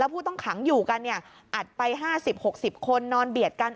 ผู้ต้องขังอยู่กันอัดไป๕๐๖๐คนนอนเบียดกัน